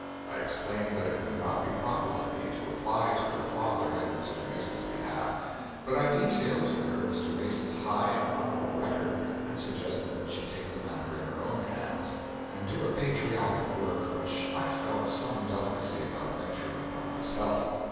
I explained that it would not be proper for me to apply to her father in Mr. Mason's behalf, but I detailed to her Mr. Mason's high and honorable record and suggested that she take the matter in her own hands and do a patriotic work which I felt some delicacy about venturing upon myself.